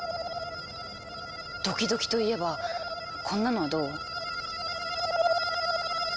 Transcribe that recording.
ドキドキといえばこんなのはどう？